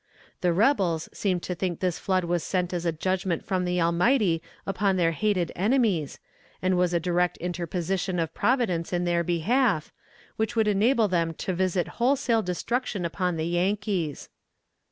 The rebels seemed to think this flood was sent as a judgment from the Almighty upon their hated enemies, and was a direct interposition of Providence in their behalf, which would enable them to visit wholesale destruction upon the Yankees.